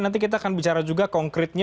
nanti kita akan bicara juga konkretnya